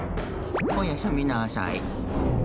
おやすみなさい。